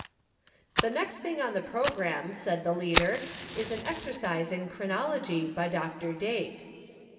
"' The next thing on the programme,' said the leader, ' is an exercise in chronology, by Dr. Date.'